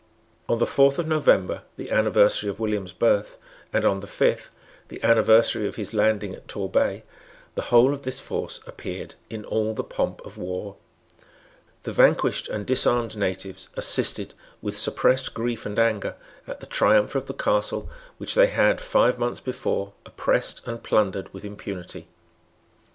On the fourth of November, the anniversary of William's birth, and on the fifth, the anniversary of his landing at Torbay, the whole of this force appeared in all the pomp of war. The vanquished and disarmed natives assisted, with suppressed grief and anger, at the triumph of the caste which they had, five months before, oppressed and plundered with impunity.